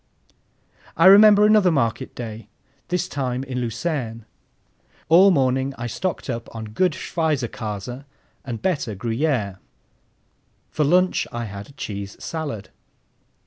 I remember another market day, this time in Lucerne. All morning I stocked up on good Schweizerkäse and better Gruyère. For lunch I had cheese salad.